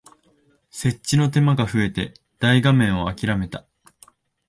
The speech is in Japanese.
設置の手間が増えて大画面をあきらめた